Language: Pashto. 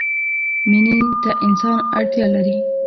مینې ته انسان اړتیا لري.